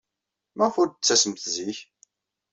Maɣef ur d-tettasemt zik?